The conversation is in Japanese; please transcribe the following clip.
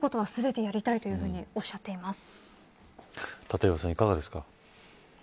立岩さん、いかがですか。